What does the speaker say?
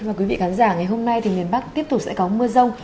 và quý vị khán giả ngày hôm nay thì miền bắc tiếp tục sẽ có mưa rông